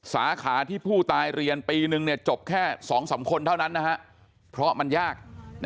สาขาที่ผู้ตายเรียนปีนึงจบแค่๒๓คนเท่านั้นเพราะมันยาก